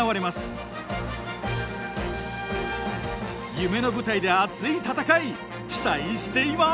夢の舞台で熱い戦い期待しています！